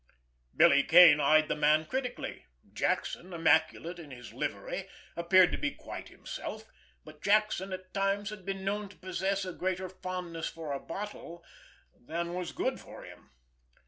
Billy Kane eyed the man critically. Jackson, immaculate in his livery, appeared to be quite himself; but Jackson at times had been known to possess a greater fondness for a bottle than was good for him.